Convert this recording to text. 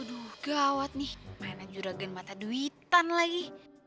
aduh gawat nih mainan juragen mata duitan lagi